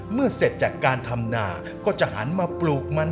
เมื่อเสร็จจากการทำนาก็จะหันมาปลูกมัน